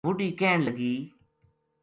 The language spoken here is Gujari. بڈھی کہن لگی